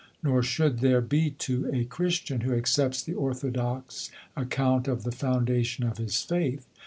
Nor should there be to a Christian who accepts the orthodox account of the foundation of his faith.